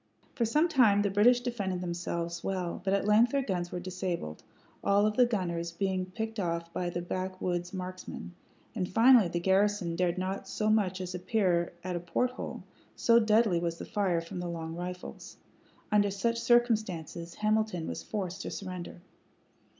For some time the British defended themselves well; but at length their guns were disabled, all of the gunners being picked off by the backwoods marksmen, and finally the garrison dared not so much as appear at a port hole, so deadly was the fire from the long rifles. Under such circumstances Hamilton was forced to surrender.